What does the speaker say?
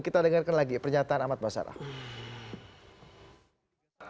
kita dengarkan lagi pernyataan ahmad basarah